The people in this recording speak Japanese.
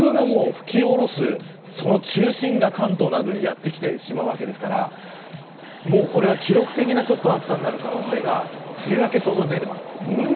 中心がくるということは熱風が吹き下ろす中心が関東などにやって来てしまうわけですから記録的な暑さになる可能性が梅雨明け早々、出てきています。